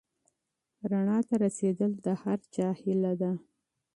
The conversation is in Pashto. رڼا ته رسېدل د هر چا هیله ده.